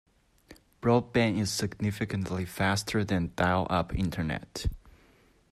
Broadband is significantly faster than dial-up internet.